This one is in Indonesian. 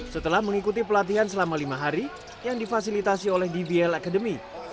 setelah mengikuti pelatihan selama lima hari yang difasilitasi oleh dbl academy